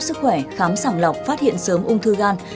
sức khỏe khám sàng lọc phát hiện sớm ung thư gan